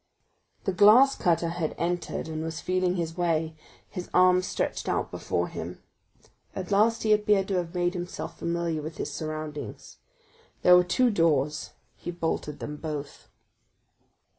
The glass cutter had entered, and was feeling his way, his arms stretched out before him. At last he appeared to have made himself familiar with his surroundings. There were two doors; he bolted them both.